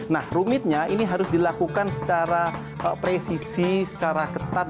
nah rumitnya ini harus dilakukan secara presisi secara ketat